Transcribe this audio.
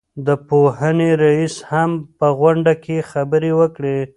د پوهنې رئيس هم په غونډه کې خبرې وکړې.